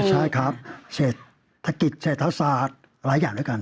ใช่ครับเศรษฐกิจเศรษฐศาสตร์หลายอย่างด้วยกัน